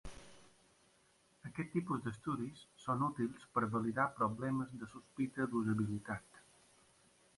Aquest tipus d'estudis són útils per validar problemes de sospita d'usabilitat.